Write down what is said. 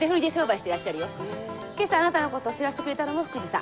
今朝あなたのこと知らせてくれたのも福治さん。